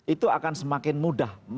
itu akan semakin mudah